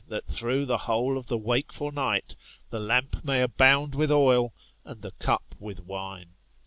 that through the whole of the wakeful night, the lamp may abound with oil, and the cup with wine.